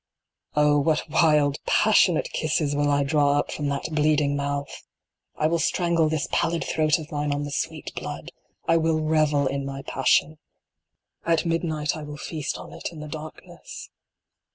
Oh, what wild passionate kisses will I draw up from that bleeding mouth ! I will strangle this pallid throat of mine on the sweet blood ! I will revel in my passion. At midnight I will feast on it in the darkness.